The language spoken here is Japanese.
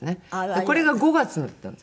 これが５月だったんです。